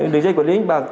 đường dây quản lý đánh bạc